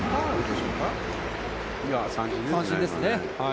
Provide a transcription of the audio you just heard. いや三振ですね。